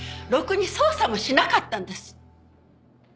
ろくに捜査もしなかったんです。